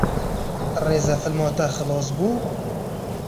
Rêzefîlma te xilas bû?